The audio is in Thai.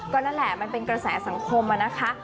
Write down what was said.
ก็นั่นแหละมันเป็นกระแสสังคมอะนะคะ